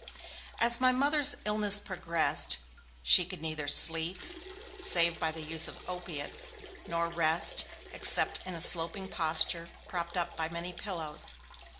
As my Mother's illness progressed, she could neither sleep, save by the use of opiates, nor rest, except in a sloping posture, propped up by many pillows.